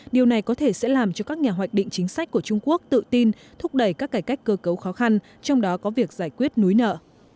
điều này có thể sẽ làm cho các nhà hoạch định chính sách của trung quốc tự tin thúc đẩy các cải cách cơ cấu khó khăn trong đó có việc giải quyết núi nợ